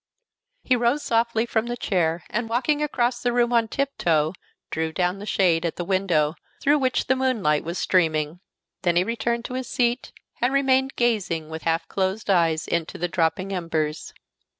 He rose softly from the chair, and walking across the room on tiptoe, drew down the shade at the window through which the moonlight was streaming. Then he returned to his seat, and remained gazing with half closed eyes into the dropping embers.